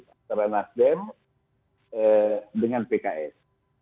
antara nasdem dengan pks